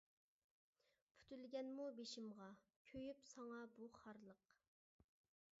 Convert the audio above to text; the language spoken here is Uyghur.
پۈتۈلگەنمۇ بېشىمغا، كۆيۈپ ساڭا بۇ خارلىق.